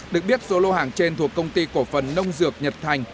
được biết số lô hàng trên thuộc công ty cổ phần nông dược nhật thành